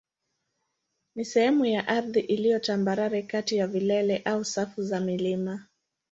ni sehemu ya ardhi iliyo tambarare kati ya vilele au safu za milima.